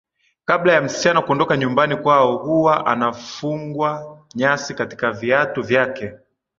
Kabla ya msichana kuondoka nyumbani kwao huwa anafungwa nyasi katika viatu vyake